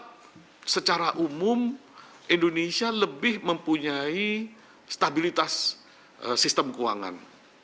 karena secara umum indonesia lebih mempunyai stabilitas sistem keuangan